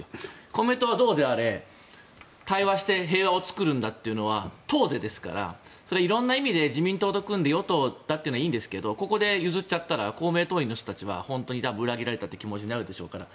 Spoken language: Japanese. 公明党はどうであれ対話して平和を作るんだっていうのは党是ですからそれは色々な意味で自民党と組んで与党だってことはいいんですけどここで譲ったら公明党員の人たちは本当に裏切られたという気持ちになるでしょうから。